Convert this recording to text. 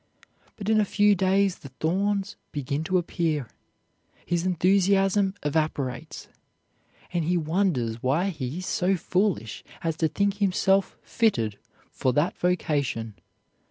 But in a few days the thorns begin to appear, his enthusiasm evaporates, and he wonders why he is so foolish as to think himself fitted for that vocation.